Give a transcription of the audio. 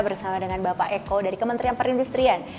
bersama dengan bapak eko dari kementerian perindustrian